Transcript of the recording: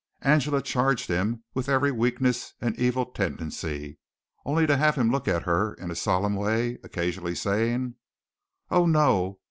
Angela charged him with every weakness and evil tendency, only to have him look at her in a solemn way, occasionally saying: "Oh, no!